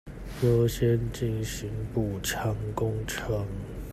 優先進行補強工程